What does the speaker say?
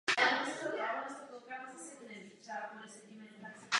Samozřejmě některé vznesené otázky si zaslouží detailnější prodiskutování.